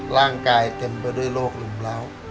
ร่างกายเต็มไปด้วยโรครุมเล้า